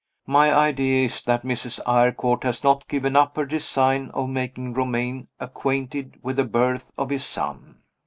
My idea is that Mrs. Eyrecourt has not given up her design of making Romayne acquainted with the birth of his son.